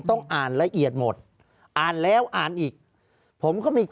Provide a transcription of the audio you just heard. ภารกิจสรรค์ภารกิจสรรค์